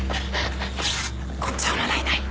こっちはまだいない。